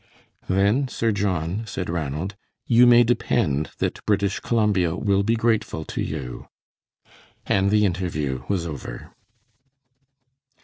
"Then, Sir John," said Ranald, "you may depend that British Columbia will be grateful to you," and the interview was over.